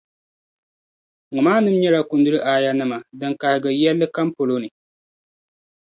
Ŋɔmaanim’ nyɛla kunduli aayanim’ din kahigiri yɛlli kam polo ni.